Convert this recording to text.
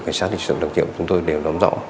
cảnh sát lịch sử đặc trị của chúng tôi đều nắm rõ